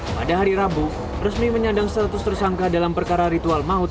pada hari rabu resmi menyandang status tersangka dalam perkara ritual maut